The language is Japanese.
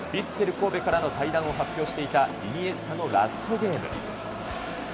神戸からの退団を発表していたイニエスタのラストゲーム。